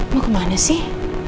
mau kemana sih